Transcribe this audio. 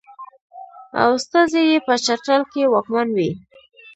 او استازی یې په چترال کې واکمن وي.